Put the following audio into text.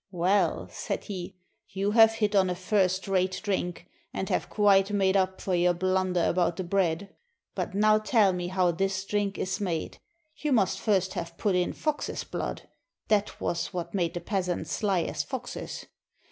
"Well," said he, "you have hit on a first rate drink, and have quite made up for your blunder about the bread. But now tell me how this drink is made. You must first have put in fox's blood: that was what made the peasants sly as foxes.